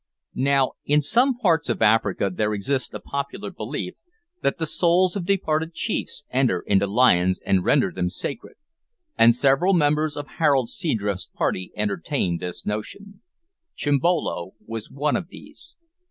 Now, in some parts of Africa there exists a popular belief that the souls of departed chiefs enter into lions and render them sacred, and several members of Harold Seadrift's party entertained this notion. Chimbolo was one of these.